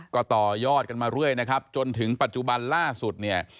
ก็ต่อยอดกันมาเรื่อยนะครับจนถึงปัจจุบันล่าสุดเนี่ย